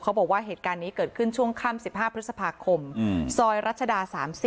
บอกว่าเหตุการณ์นี้เกิดขึ้นช่วงค่ำ๑๕พฤษภาคมซอยรัชดา๓๐